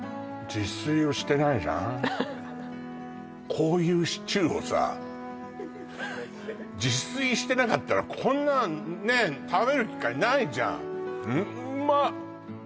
こういうシチューをさ自炊してなかったらこんなね食べる機会ないじゃん